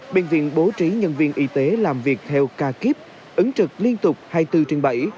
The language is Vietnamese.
bệnh viện bố trí nhân viên y tế làm việc theo ca kíp ứng trực liên tục hai mươi bốn trên bảy